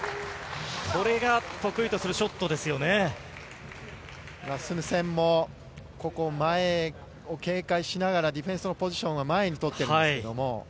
これが得意とするショットでラスムセンもここ、前を警戒しながら、ディフェンスのポジションは前に取ってるんですけども。